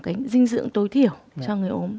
cái dinh dưỡng tối thiểu cho người ốm